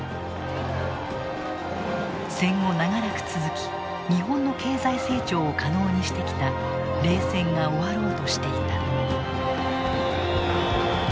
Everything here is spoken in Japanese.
戦後長らく続き日本の経済成長を可能にしてきた冷戦が終わろうとしていた。